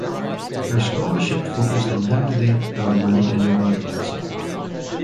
Her scholarship focused on hymnody and American revivalism.